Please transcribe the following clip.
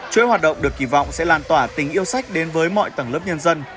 chuỗi hoạt động được kỳ vọng sẽ lan tỏa tình yêu sách đến với mọi tầng lớp nhân dân